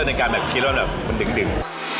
ในการแบบคิดว่าแบบมันดึง